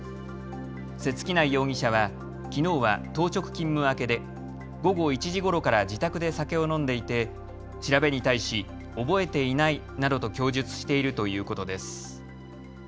瀬月内容疑者は、きのうは当直勤務明けで午後１時ごろから自宅で酒を飲んでいて調べに対し覚えていないなどと供述しているということです。